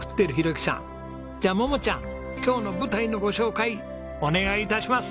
じゃあ桃ちゃん今日の舞台のご紹介お願い致します。